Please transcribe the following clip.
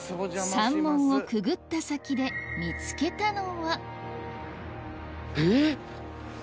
山門をくぐった先で見つけたのはえっ！